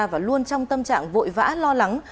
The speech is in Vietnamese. và luôn trong tâm trạng vội vã lo lắng